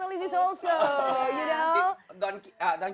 karena dia juga seorang tv juga